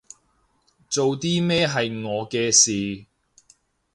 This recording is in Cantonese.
做啲咩係我嘅事